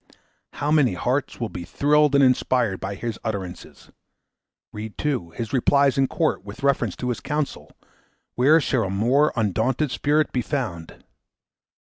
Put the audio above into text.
How many hearts will be thrilled and inspired by his utterances! Read, too, his replies in court with a reference to his counsel! Where shall a more undaunted spirit by found?